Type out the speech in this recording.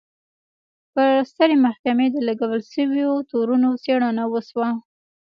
پر سترې محکمې د لګول شویو تورونو څېړنه وشوه.